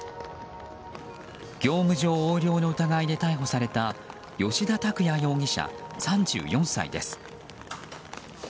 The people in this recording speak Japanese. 業務上横領の疑いで逮捕された吉田拓哉容疑者、３４歳です。